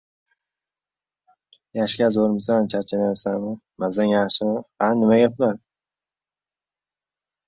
Ba’zi bir kamchiliklar bo’lsa administratorga murojat qiling yoki izoh yozib qoldiring.